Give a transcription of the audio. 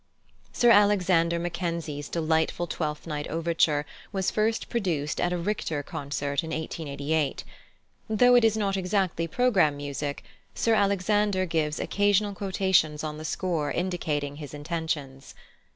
+Sir Alexander Mackenzie's+ delightful Twelfth Night overture was first produced at a Richter concert in 1888. Though it is not exactly programme music, Sir Alexander gives occasional quotations on the score indicating his intentions.